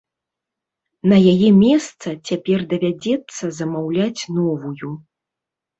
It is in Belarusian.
На яе месца цяпер давядзецца замаўляць новую.